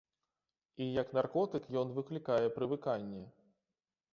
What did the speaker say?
І як наркотык ён выклікае прывыканне.